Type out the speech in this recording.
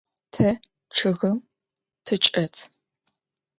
Te ççıgım tıçç'et.